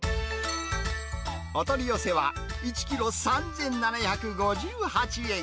お取り寄せは、１キロ３７５８円。